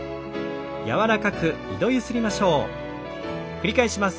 繰り返します。